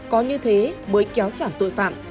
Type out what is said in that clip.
có như thế mới kéo giảm tội phạm